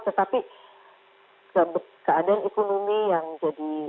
tetapi keadaan ekonomi yang jadi